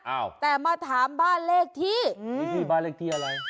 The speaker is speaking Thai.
อ้าวแต่มาถามบ้านเลขที่นี่พี่บ้านเลขที่อะไร